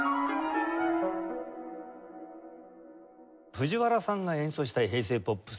藤原さんが演奏したい平成ポップスです。